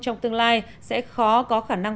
trong tương lai sẽ khó có khả năng